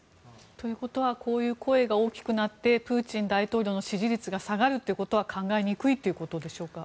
ということはこういう声が大きくなってプーチン大統領の支持率が下がるということは考えにくいということでしょうか？